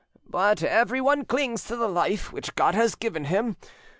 But everyone clings to the life which God has given him.